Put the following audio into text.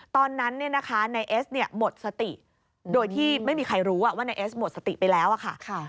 ตอนนั้นเนี่ยนะคะนายเอสเนี่ยหมดสติโดยที่ไม่มีใครรู้ว่านายเอสหมดสติไปแล้วอะค่ะ